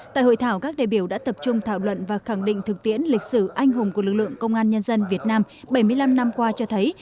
tại hội thảo các đề biểu đã tập trung thảo luận và khẳng định thực tiễn lịch sử anh hùng của lực lượng công an nhân dân việt nam bảy mươi năm năm qua cho thấy